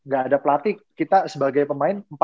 gak ada pelatih kita sebagai pemain